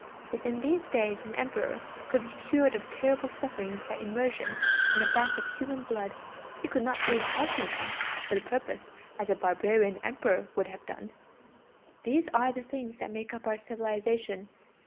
If in these days an Emperor could be cured of terrible sufferings by immersion in a bath of human blood, he could not bleed healthy men for the purpose as a barbarian Emperor would have done. These are the things that make up our civilization.